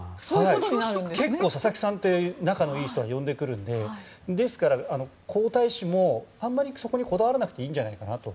結構、佐々木さんって仲のいい人は呼んでくるのでですから、皇太子もあんまりそこにこだわらなくていいんじゃないのかなと。